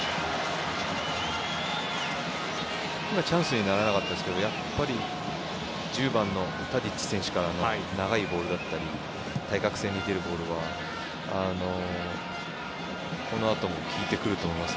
今、チャンスにならなかったですけど１０番のタディッチ選手からの長いボールだったり対角線に出るボールはこのあとも効いてくると思います。